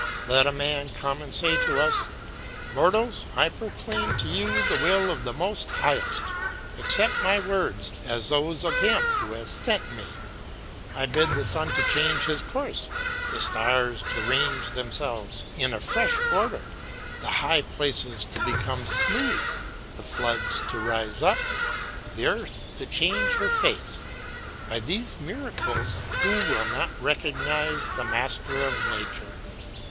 "Let a man come and say to us: Mortals, I proclaim to you the will of the Most Highest; accept my words as those of him who has sent me; I bid the sun to change his course, the stars to range themselves in a fresh order, the high places to become smooth, the floods to rise up, the earth to change her face. By these miracles who will not recognise the master of nature?